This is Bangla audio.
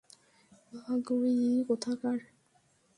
ভাগ, উই কোথাকার!